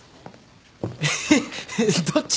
えっえっどっち？